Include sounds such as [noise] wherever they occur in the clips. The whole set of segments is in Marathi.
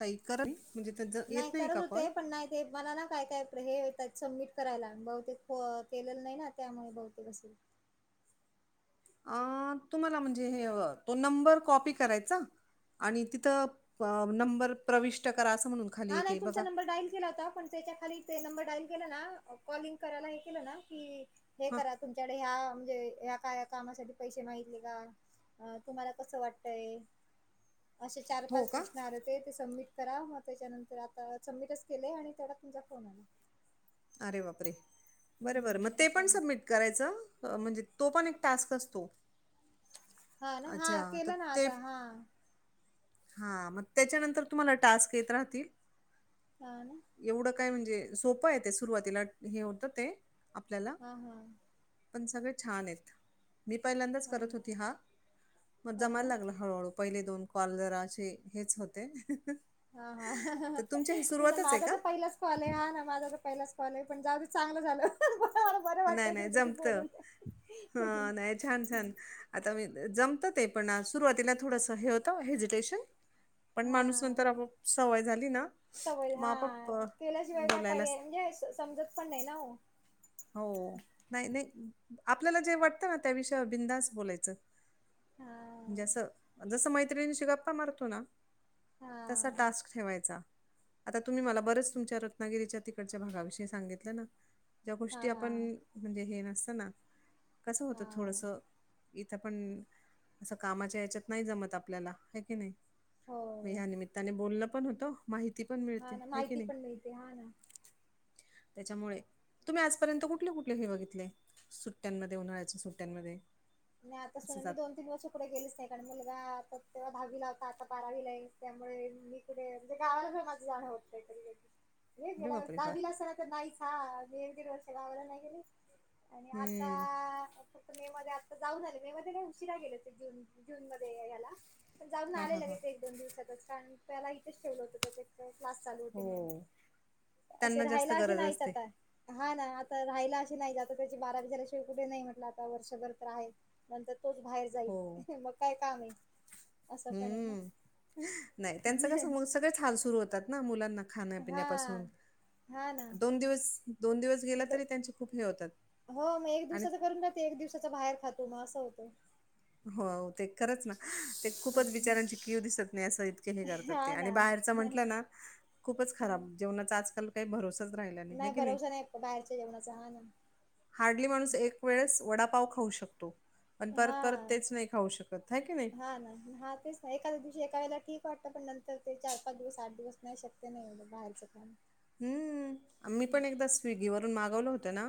काही करल म्हणजे येत नाही करत का काॅल होते, पण नाही ते मला ना काय काय हे सबमिट करायला बहुतेक केलेलं नाही ना त्यामुळे बहुतेक असेल अ तुम्हाला म्हणजे हे तो नंबर कॉपी करायचा आणि तिथं नंबर प्रविष्ट करा असं म्हणून खाली हा एक नाही आहे तुमचा बघा. नंबर डाईल केला होता. पण त्याच्या खाली ते नंबर डाईल केला ना कॉलिंग करायला हे केलं ना की हे हां, करा तुमच्याकडे ह्या म्हणजे ह्या काय कामासाठी पैसे मागितले का. अ तुम्हाला कस वाटतय असे चार हो पाच का? प्रश्न आले होते ते सबमिट करा मग त्याच्यानंतर आता सबमिटच केले आणि तेवढ्यात तुमचा फोन आला. अरे बापरे बरं बरं मग हम्म, ते असं पण आहे ना. सबमिट करायच म्हणजे तो पण एक टास्क असतो हा ना हा अच्छा, केला ना आता हा हा मग त्याच्यानंतर तुम्हाला टास्क येत राहतील हां ना, एवढं का काय म्हणजे सोपं येते सुरुवातीला हे होतं ते आपल्याला हा हा पण सगळे छान आहेत मी पहिल्यांदाच हां, करत होती हा मग हां जमायला ना. लागला हळूहळू पहिले दोन काॅल जराशे हेच होते. हा हा तर तुमची हे [unintelligible] तिन सुरुवातच आहे माझा का? तर पहिलाच कॉल हे हां ना माझं तर पहिलाच कॉले हे पण जाऊदे चांगलंच झालं [unintelligible] नाही नाही तुमच्याशी जमत बोलून हा नाही छान छान आता मी जमत ते पण सुरुवातीला थोडंसं हे होतं हेजिटेशन पण हा माणूस नंतर आपोआप प सवय झाली ना सवय म हा आपोआप केल्याशिवाय काय बोलायलाच. पर्याय म्हणजे समजत पण हाय ना ओ हो नाही नाही आपल्याला जे वाटतं ना त्या विषयावर बिंधास्त बोलायचं हा म्हणजे असं जस मैत्रिणींशी गप्पा मारतो ना हा तसा टास्क ठेवायचा. आता तुम्ही मला बरेच तुमच्या रत्नागिरीच्या तिकडच्या भागाविषयी सांगितलं ना. ज्या हा गोष्टी आपण हा म्हणजे हे नसत ना कसं हा होतं थोडस इथं पण असं कामाच्या हेच्यात नाही जमत आपल्याला हे कि नाही. मग हो या निमित्ताने बोललं पण होतं. माहिती पण हा मिळते ना हे की माहिती नाही पण मिळते हा ना त्याच्यामुळे तुम्ही आजपर्यंत कुठले कुठले हे बघितले सुट्टयांमध्ये उन्हाळ्या सुट्टयांमध्ये मी आता [unintelligible] दोन तीन वर्षात कुठे गेलीच नाही कारण मुलगा आता दहावीला आता बारावीला त्यामुळे मी माझं गावाला काय माझं जाणं होत नाही. कधी. [inaudible] हे गेल्यावर्षी बापरे फार दहावीला असला तर नाहीच हा एक दीड वर्ष गावाला नाही गेले आणि हम्म आता फक्त मे मध्ये जाऊन आले मे मध्ये काय उशिरा गेले ते जून जून मध्ये ह्याला पण जाऊन हा आले हा हा लगेच दोन दिवसातच कारण त्याला इथेच ठेवलं होतं त्याच क्लास चालू हो होती म्हणून असे त्यांना जास्त राहायला अ गरज नाहीच असते आता हा ना आता राहायला अशी नाही आता त्याची बारावी झाल्याशिवाय कुठे नाही म्हटलं आता वर्षभर आहेत नंतर तोच बाहेर जाईल हो मग काय काम आहे असं पण आहे ना. हम्म नाही त्यांचं का स सगळेच हाल सुरू होतात ना मुलांना हा खाण्यापिण्यापासून हा ना. दोन दिवस दोन दिवस गेला दो- तरी त्यांचे खूप हे होतात. हो मग एक आणि दिवसाच करून जाते एक दिवसाचा बाहेर खातो मग असं होत हो ते खरंच ना ते खूपच बिचारांची कीव दिसत नाही अस चैनी करतात ते हा आणि ना. बाहेरच म्हंटलं ना खूपच खराब हम्म. जेवणाचा आजकाल काही भरोसाच राहिला नाही आहे की नाही बाहेरच्या जेवणाचह हार्डली माणूस एक वेळेस वडापाव खाऊ शकतो पण परत परत तेच नाही खाऊ शकत ह की नाही ह नाही ह तेच एखाद्या दिवशी एका वेळेला ठीक वाटतं पण नंतर ते चार पाच दिवस आठ दिवस नाही शकते नाहीढं बाहेरचं काण हम्म मी पण एकदा स्विगीवरून मागवलं होतं ना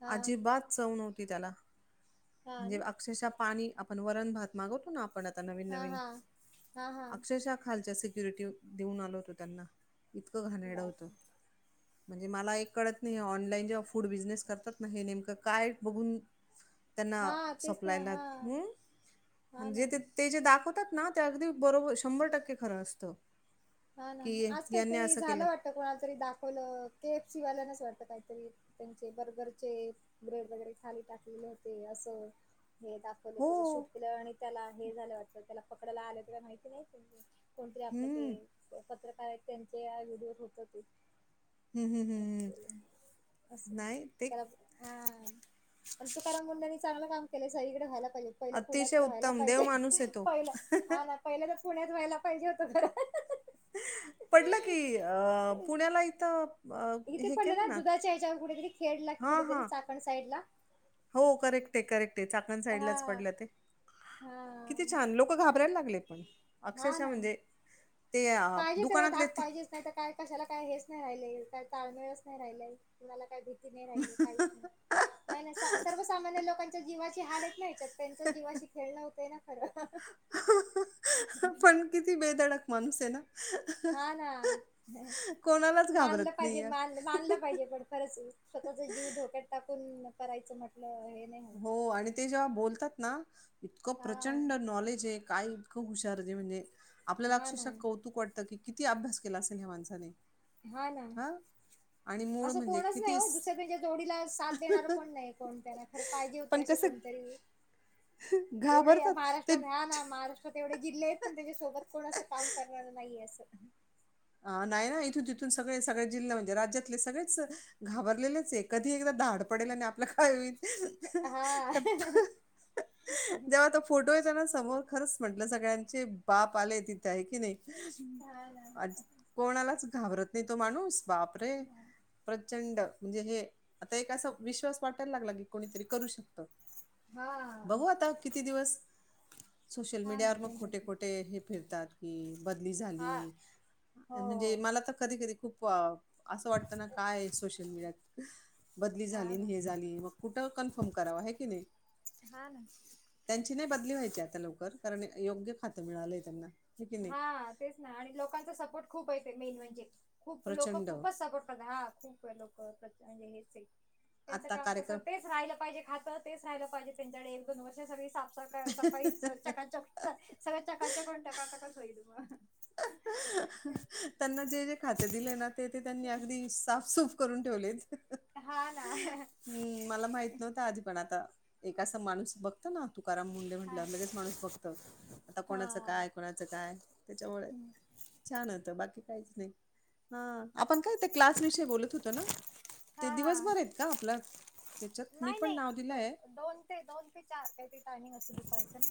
हा अजिबात चव नवती त्याला हा म्हणजे ना. अक्षरशः पाणी आपण वरण भात मागवतो ना आपण आता नवीन हा नवीन हा हा हा अक्षरशः खालच्या सिक्युरिटी देऊन आलो होतो त्यांना इतकं घाणेड होतं बापरे म्हणजे मला एक कळत नाही ऑनलाईन जेव्हा फूड बिजनेस करतात ना हे नेमकं काय बघून त्यांना हा तेच ना सपलायला हा हम् हा ना म्हजे ते ते जे दाखवतात ना ते अगदी बरोबर शंभर टक्के खरं असतं हा ना की आज यांनी काहीतरी असं केलं झालं वाटत कोणाला तरी दाखवलं के एफसी वाल्यानच वाटत काहीतरी त्यांचे बर्गरचे ब्रेड वगैरे खाली टाकले नव्हते असं हे दाखवलं हो त्याचं शूट केलं आणि त्याला हे झालं वा त्याला पकडायला आलं ते माहिती नाही कोणतरी आपलं ते हम्म पत्रकार आहेत त्यांच्या व्हिडिओत होत ते हम्म हम्म ं हम्म हम्म. नाही ते त्याला हा पण तुकाराम मुुंडेनी चांगलं काम केलंय सगकडे व्हायला पाहिजे पहिलं अतिशय पुण्यात राहायला उत्तम देव पाहिजे माणूस आहे तो पहिलं हा ना पहिलं तरच पुण्यात व्हायला पाहिजे होत खर पडलं की अ पुण्याला इथं अ, इथे हे पडलं केलं ना दुधाच्या येढे कुठेतरी खेडला की हां, कुठेतरी हां. चाकण साईड ला हो करेक्ट आहे करेक्ट आहे चाकण हा साईडलाच पडलं ते किती हा छान लोक लोक घाबरायला लागले पण हा अक्षरशः ना म्हणजे ते अ, पाहिजे तेवढं दुकानातले धाक ते पाहिजेच नाही तर काय कशाला काय हेच नाही राहिलंय काय ताळमेळच नाही राहिलंय तुणाला काही भीती नाही राहिली काहीच नाही नाही नाही सर्वसामान्य लोकांच्या जीवाची हाल येत नाही या्याच्यात त्यांच जीवाशी खेळणं होतंय ना खरं पण किती बेधडक माणूस आहे ना हा ना कोणालाच मानलं घाबरत नाही पाहिजे मान आहे. मानलं पाहिजे पण परच स्वतःचा जीव धोक्यात टाकून करायचं म्हटलं हे नाही होत. हो आणि ते जेव्हा बोलतात ना इतकं हा प्रचंड नॉलेज आहे कायं हुश म्हणजे आपल्याला हा ना अक्षौत वा. कि किती अभ्यास केला असेल ह्या माणसाने हा ना हां. आणि मूळ असं म्हणजे कोणच नाही हो कितीस दुसऱ्या त्यांच्या जोडीला साथ देणार कोण नाही कोण त्याना खर पाहिजे होते पण असे कसं कोणतरी एवढे घाबरतात ते महाराष्ट्रात घ्या ना महाराष्ट्र तेवढे जिल्हे आहेत पण त्यांच्यासोबत कोण असं काम करणार नाही असं ह नाही ना इथून तिथून सगळे सगळे जिल्हा म्हणजे राज्यातले सगळेच घाबरलेलेच आहे कधी एकदा धाड पडेल आणि आपलं काय होईल त्या हा जेव्हा तो फोटो येताना समोर खरंच म्हंटलं सगळ्यांचे बाप आले तिथे आहे की नाही हा ना आ कोणालाच घाबरत नाही तो माणूस बाप रे प्रचंड म्हणजे हे आता एक असा विश्वास वाटायला लागला की कोणीतरी करू शकत हा बघू आता किती दिवस सोशल हा ना मीडियावर मग खोटे त्यांच्यात खोटे हे फिरतात कि बदली झाली हा हो म्हणजे मला तर कधी कधी खूप असं वाटतं ना काय सोशल मीडिया बदली हा झाली ना हे झाली मग कुठं कन्फर्म करावा आहे की नाही हां ना त्यांची नाही बदली व्हायची आता लवकर कारण योग्य खातं मिळालंय त्यांना हे की नाही. हा तेच ना आणि लोकांचा सपोर्ट खूप येत मेन म्हणजे खूप लोक प्रचंड खूपच सपोर्ट करतात हा खू लोक म्हणजे हेच त्यांच आता काम त कार्यक्रम तेच राहिलं पाहिजे खात. तेच राहिलं पाहिजे त्यांच्याकडेले सगळी साफफ सफा [unintelligible] ् [unintelligible] त्यांना जे जे खाते दिले ना ते ते त्यांनी अगदी साफसूफ करून ठेवले. हा ना. मला माहित नव्हते आधी पण आता एका अस माणूस बघतो ना. तुकाराम मुंडे हा म्हटल्या लगेच माणूस बघत आता हा कोणाचं काय कोणाचं काय त्यांच्यामुळे छान होत बाकी काहीच नाही हा. आपण काय ते क्लास विषयी बोलत होतो ना ते हा हा दिवसभर आहेत का आपला त्यांच्यात मी नाही पण नाव दिलं नाही आहे. दोन दोन ते चार ते टिंग अस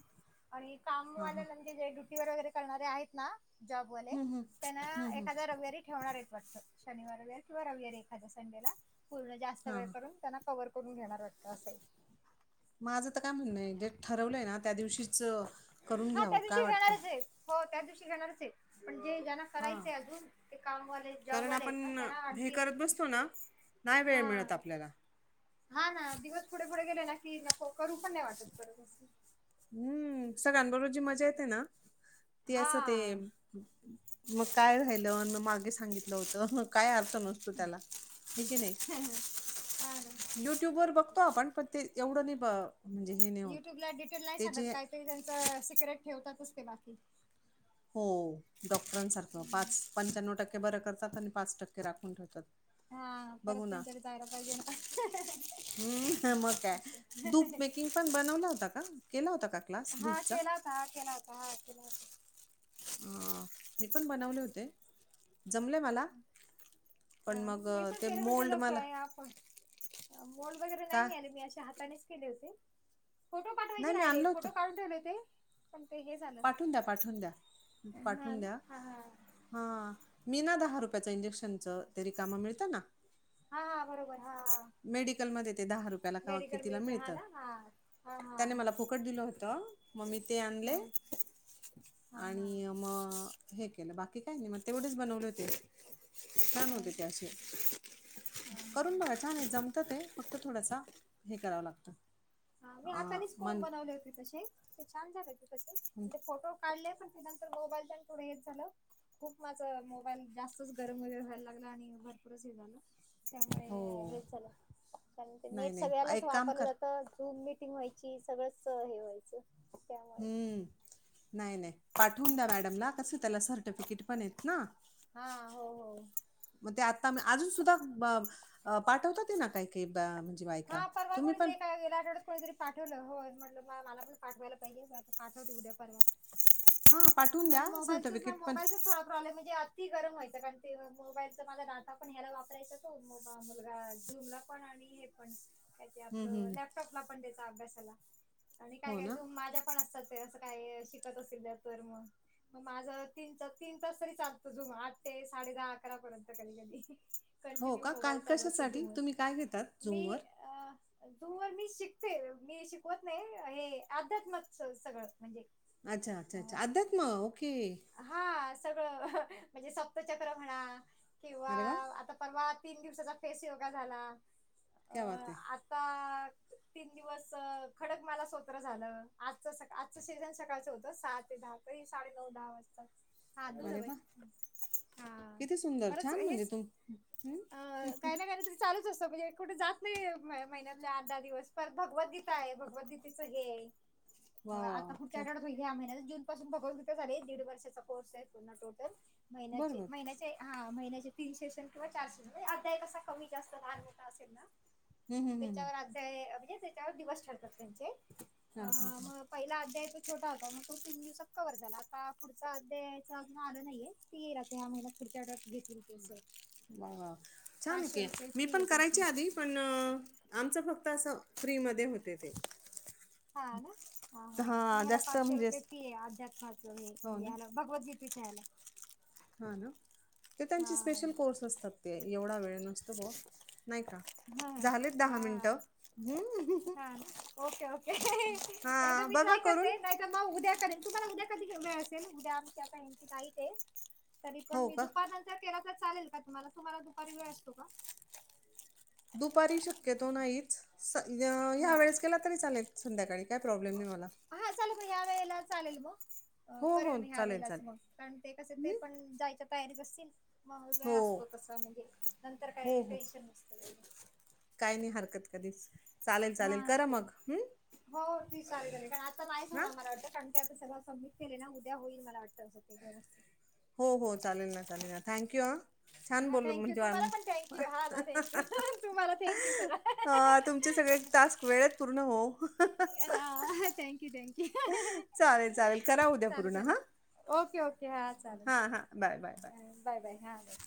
आणि काम हा हा वाल्यानंतर जे ड्युटी वगैरे करणारे आहेत ना. जॉबवाले हम्म हम्म त्यांना हम्म हम्म एखादा् रविवारी ठेवणारच वाटतं. शनिवार किंवा राहूयार एखाद्या संडेला पूर्ण जास्त हा वेळ करून त्यांना क करून घेणार वाटतं असं. माझं तर काय म्हणणं नाही जे ठरवलंय ना त्या दिवशी हा त्या दिवशी घेणारच आहे हो त्या दिवशी घेणारच आहे पण जे ज ना. हा करायचंय अजून ते कामवाले कारण जॉबवाले आहेत ना आपण त्यांना हे आणखी करत बसतो ना नाही वेळ हा मिळत आपल्याला हा ना दिवस पुढे पुढे गेले ना की नको करू पण नाही वाटत परत असं. हम्म सगळ्यांबरोबर जी मजा येते ना ती हा असं ते मग काय राहिलं मग मागे सांगितलं होतं म काय अ. नसतो त्याला हे की नाही. हा ना. युट्यूब वर बघतो आपण पण ते एवढं नाही म्हणजे हे नाही होत. युट्यूबला डिटेल नाही ते साधत जे काहीतरी त्यांच सिगरेट ठेवतातचते बाकी हो डॉक्टरांसारखं पाच पंच्याण्णव टक्के बरं करतात आणि पाच टक्के राखून ठेवतात. हा बघू परत ना काणतरी जायला पाहिजे ना. हम्म, मग काय धूप मेकिंग पण बनवला होता का केला होता का? क्लास हा धूपचा केला होता हा केला होता हा केला होता. अ मी पण बनवले होते जमले मला पण हा ना मग मी अं, पण ते केर म्हणतेचा मोल्ड मला आपण मोल वगैरे नाही का मि आले मी अशा हाताने फोटोठवाय नाही मी राहिले आणलं होतं फोटो काढ ठेले होते प ते झालं पाठवून द्या पाठवून द्या हा पाठवून ना द्या. हा हा हा मी ना दहा रुपयाच इंजेक्शनच ते रिकमा मिळतं ना. हा हा बरोबर हाा. मेडिकलमध्ये ते दहा रुपये आपला कावा क तिला हा मिळत ना हा हा हा त्याने मला फुकट दिलं होतं मग् ममी ते आणले. हा ह. हा हा आणि मग हे केलं बाकी काय नाही मग तेवढेच बनवले होते. छान होते हा त्याे हा करून बघाय छ आणि जमत ते फक्त थोडसा हे करावं लागत. हा मी हातानेच कोण बनवले होते तसे ते छान झाले होते कसे हं, ते फोटो काढले पण ते तर गोबालच्या पुढे येत झालं. खूप माझा मोबाईल जास्तच गरम वगैर व्हायला लागला आणि भरपूरच हे झालं. हो त्यामुळे हे झाल कारण ते नाही नेट नाही सगळ्यालाच एक काम वापरलं कर जातं. रूम मिटिंग व्हायची सगळंच हे व्हायचं त्यामुळे हम्म नाही नाही पाठवून द्या मॅडमला कस त्याला सर्टिफिकेट पण येत ना हा हो हो मग ते आता म अजून सुद्धा पाठवत ते ना काही ओे म्हणजे बायका तुम्ही पण ग तरी पाठवलं होय म्हटलं मला पण पाठवायला पाहिजे पाठवते उद्या परर्वा हां पाठवून म्ह द्या मोबाईलच सर्टिफिकेट पण मोबाईलच थ प्रॉ्लेम म्हणजे अति गरम व्हायचा कारण ते मोबाईलचा मला दाता पण ह्याला वापरायचा तोबा मुलगा झूमला. [inaudible] का ते हम्म, आपलं हम्म. लॅपटॉपला पण त्याचा अभ्यासाला आणि काय हो काय ना झूम माझ्या पण असतात असं काय शिकत असेल द तर मग मग माझ तीन तीन तास तरी चालतो जुमा आठ ते साडे दहा अकरापर्यंत कधी कधी हो कंटिन्यू का काय मोबाईल चालू असतो कशासाठी झूमवर तुम्ही काय घेतात झूमवरर तू व मी शिकते मी शिकवत नाही हे अध्यात्मक सगळं म्हणजे अच्छा अच्छा अच्छा अध्यात्म ओके हा सगळं म्हणजे सप्तचक्र म्हणा किंवा अरे वा आता परवा तीन दिवसाचा फेस योगा झाला अ, क्या वाात आहे आता तीन दिवस खडक मला सवत्र झालं आजचं सका आजचं शेजण सकाळचं होतं सहा ते दहा ही साडेनऊ दहा वाजताात हा अरे द वा हा बरंच हेच हम्म अ, ह काही ना काही तरी चालूच असतं म्हणजे कुठे जात नाही महिन्यातल्या आठ दहा दिवस पर भगवद्गीता आहे भगवद्गीतेचं हे. वा वा आता वा पुढच्या क्या आठ्यात ह्या महिन्यात जून पासून फघवून तथे झाले बरोबर [unintelligible] हा महिन्याचे तीनशेशन किंवा चारशेन अद्याय कसा कमी जास्त लहान होता असेल ना हं, हं, हं, हं. त्याच्यावर अध्याय म्हणजे त्याच्यावर दिवस ठरतात त्यांचे हां अ हां हां मग पहिला अध्याय तो छोटा होता मग तो तीन दिवसाात कवर झाला आता पुुडचा्याचा अजून आलं नाहीये ती ये रा ह्या महिन्या पुुढचा ड्रस घेतील त वा वा छान आहेकी मी फी पण आहे करायची त्याची आधी पण आमचं फक्त असं फ्रीमध्ये होते ते हा ना ह हा नाही हां हला जास्त पाचशे म्हणजे रुपये अस- फी हो ना आध्यात्महातला भगवद्गीतेच्या यायला हा ना ते त्यांचे स्पेशल कोर्स असतात ते एवढा वेळ नसतो ब नाही का हम झालेत दहा हा मिनिटं हं. हा ओके ओके हां मी बघा ट्राय करून करते मग उद्याक तुम्हाला उद्या कधी घऊ मिळेल उद्या आमच्याताची का ते तरी पण हो मी का दुपारनंत फेराचा चालेल का तुम्हाला तुम्हाला दुपारी वेळ असतो का दुपारी शक्यतो नाहीच ह्या नाही वेळेस का केला तरी चालेल संध्याकाळी काय प्रॉब्लेम नाही मला हा चालेल मग ह्या वेळेला चालेल मग हो करेल हो मग ह्या चालेल वेळेलाच चालेल मग कारण ते कसे ते हं? पण जायच्या तयारीत असतील माल नाही हो असतो कसा म्हणजे नंतर काय हो हो टेन्शन नसत काही नाही हरकत कधीच चालेल हा चालेल करा ठीक मग हं? आहे हो ती ल झाली कारण आता नाहीच हां होणार मला वाटतण त्या सर्व सबमिट केले ना उद्या होईल मला वाटतं असं ते्या वस्त हो हो चालेल ना चालेल ना थँक्यू ह हा थँक्यू तुम्हाला पण थँक्यू हा थँक्यू तुम्हाला थँक्यू सर अ, तुमचे सगळे टास्क वेळेत पूर्ण होवो. हा हा, थँक्यू थँक्स! चालेल चालेल, करा उद्या चालेल पूर्ण चालेल हा. ओके ओके हा. चालेल हा हा, bye bye bye! Bye bye हा बाय!